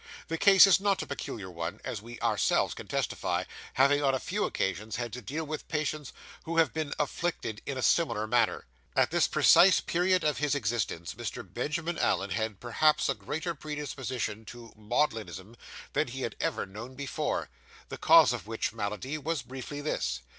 The case is not a peculiar one, as we ourself can testify, having, on a few occasions, had to deal with patients who have been afflicted in a similar manner. At this precise period of his existence, Mr. Benjamin Allen had perhaps a greater predisposition to maudlinism than he had ever known before; the cause of which malady was briefly this.